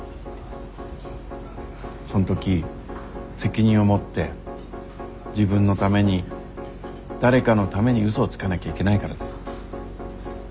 その時責任を持って自分のために誰かのために嘘をつかなきゃいけないからです。